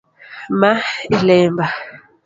Ma e lemba.